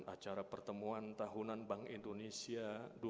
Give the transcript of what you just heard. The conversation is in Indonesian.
acara pertemuan tahunan bank indonesia dua ribu dua puluh